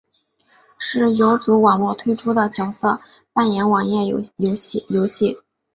是游族网络推出的角色扮演网页游戏。